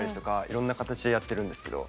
いろんな形でやってるんですけど